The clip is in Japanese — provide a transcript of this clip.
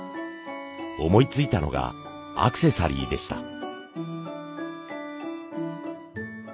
思いついたのがアクセサリーでした。